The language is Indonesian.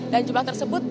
dan jumlah tersebut juga